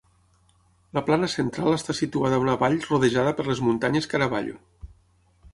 La plana central està situada a una vall rodejada per les muntanyes Caraballo.